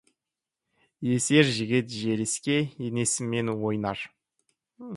Есер жігіт желіксе, енесімен ойнар.